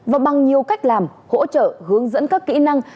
và bằng nhiều cách làm hỗ trợ hướng dẫn các kỹ năng